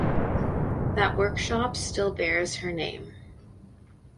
That workshop still bears her name.